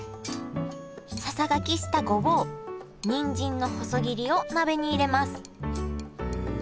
ささがきしたごぼうにんじんの細切りを鍋に入れます。